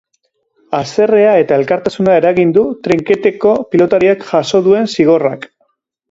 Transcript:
Haserrea eta elkartasuna eragin du trinketeko pilotariak jaso duen zigorrak.